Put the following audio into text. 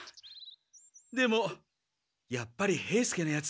でもやっぱり兵助のヤツ